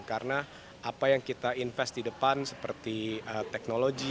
karena apa yang kita investasi di depan seperti teknologi